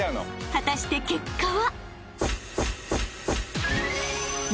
［果たして結果は？］